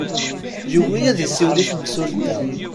Yugi ad isiwel i temsulta.